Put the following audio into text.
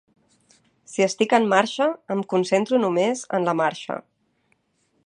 Si estic en marxa, em concentro només en la marxa.